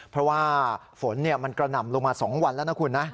เพราะว่าฝนมันกระหน่ำลงมา๒วันแล้วนะคุณนะ